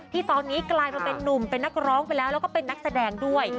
ที่ตอนนี้กลายมาเป็นนุ่มเป็นนักร้องไปแล้วแล้วก็เป็นนักแสดงด้วย